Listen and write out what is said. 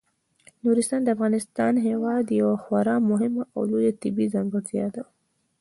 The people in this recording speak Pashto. نورستان د افغانستان هیواد یوه خورا مهمه او لویه طبیعي ځانګړتیا ده.